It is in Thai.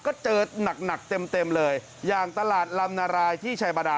ก็เจอนักเต็มเลยอย่างตลาดลำนารายที่ชายบรรดา